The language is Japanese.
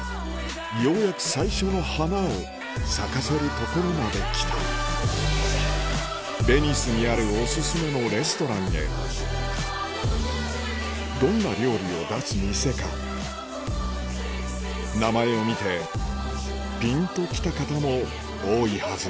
ようやく最初の花を咲かせる所まで来たベニスにあるオススメのレストランへどんな料理を出す店か名前を見てぴんと来た方も多いはずＴｈａｎｋｙｏｕ！